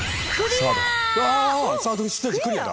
うわサードステージクリアだ。